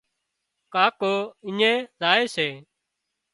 ڪاڪو اڃين زائي سي